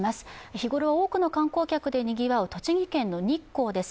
日頃は多くの観光客でにぎわう栃木県の日光です。